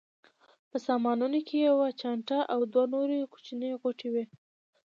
په سامانونو کې یوه چانټه او دوه نورې کوچنۍ غوټې وې.